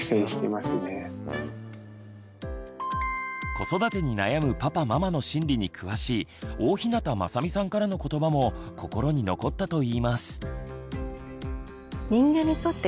子育てに悩むパパママの心理に詳しい大日向雅美さんからのことばも心に残ったといいます。